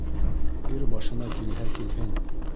Ир башына килһә килһен.